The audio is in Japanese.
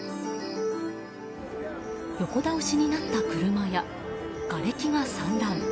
横倒しになった車やがれきが散乱。